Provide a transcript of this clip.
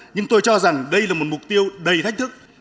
nhưng tôi cho rằng đây là một mục tiêu đầy thách thức